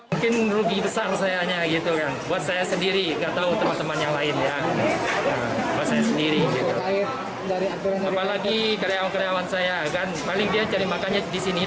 saya sendiri apalagi karyawan karyawan saya paling dia cari makannya di sini doang mungkin tempat lain mungkin ya gimana lah gitu aja